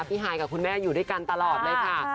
ฮายกับคุณแม่อยู่ด้วยกันตลอดเลยค่ะ